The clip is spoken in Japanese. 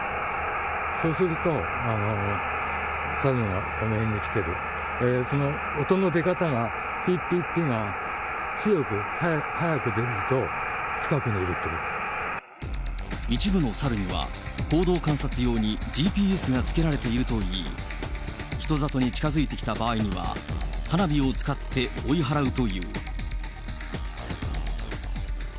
そうすると、サルがこの辺に来ている、その音の出方が、ぴっぴっぴっが強く、一部のサルには、行動観察用にＧＰＳがつけられているといい、人里に近づいてきた場合には、花火を使って追い払うという。